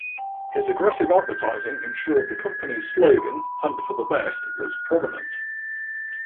His aggressive advertising ensured the company's slogan "Hunt for the best" was prominent.